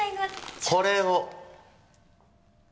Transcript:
これを。